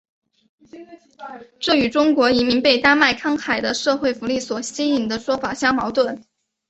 这与中国移民被丹麦慷慨的社会福利所吸引的说法相矛盾。